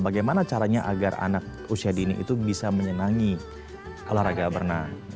bagaimana caranya agar anak usia dini itu bisa menyenangi olahraga berenang